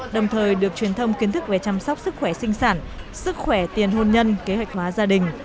đồng thời được truyền thông kiến thức về chăm sóc sức khỏe sinh sản sức khỏe tiền hôn nhân kế hoạch hóa gia đình